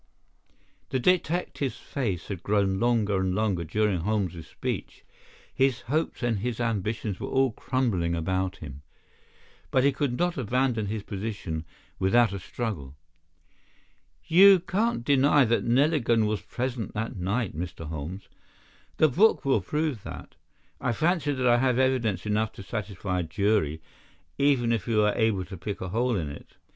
The detective's face had grown longer and longer during Holmes's speech. His hopes and his ambitions were all crumbling about him. But he would not abandon his position without a struggle. "You can't deny that Neligan was present that night, Mr. Holmes. The book will prove that. I fancy that I have evidence enough to satisfy a jury, even if you are able to pick a hole in it.